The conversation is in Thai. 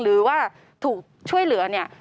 หรือว่าถูกช่วยเหลือเนี่ย